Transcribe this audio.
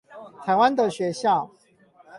台灣的學校